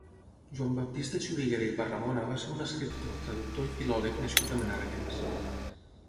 Joan Baptista Xuriguera i Parramona va ser un escriptor, traductor i filòleg nascut a Menàrguens.